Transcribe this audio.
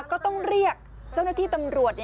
ก็ต้องเรียกเจ้าหน้าที่ตำรวจ